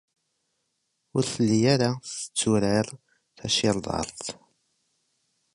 Ur telli ara tetturar tacirḍart.